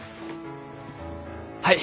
はい！